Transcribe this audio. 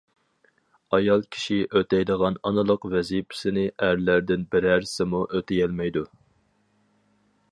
ئايال كىشى ئۆتەيدىغان ئانىلىق ۋەزىپىسىنى ئەرلەردىن بىرەرسىمۇ ئۆتىيەلمەيدۇ.